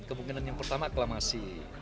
kemungkinan yang pertama aklamasi